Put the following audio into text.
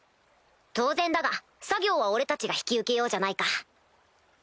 当然だが作業は俺たちが引き受けようじゃないか。